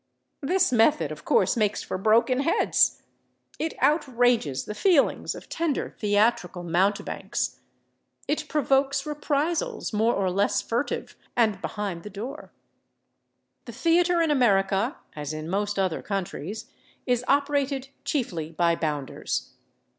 This method, of course, makes for broken heads; it outrages the feelings of tender theatrical mountebanks; it provokes reprisals more or less furtive and behind the door. The theater in America, as in most other countries, is operated chiefly by bounders.